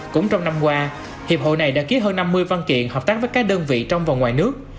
cũng trong năm qua hiệp hội này đã ký hơn năm mươi văn kiện hợp tác với các đơn vị trong và ngoài nước